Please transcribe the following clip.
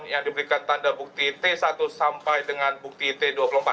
atau yang diactualisir dan yang diambil terus di indonesia pada pertelan kendaraan hmm girl